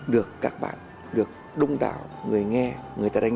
để chỉ bảo tận tình cho bọn em